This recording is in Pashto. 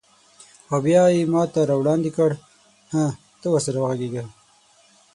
او بیا یې ماته راوړاندې کړ: هه، ته ورسره وغږیږه.